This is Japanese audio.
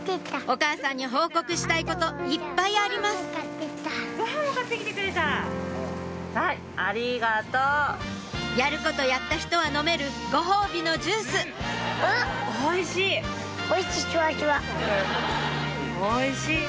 お母さんに報告したいこといっぱいありますやることやった人は飲めるご褒美のジュースおいしい！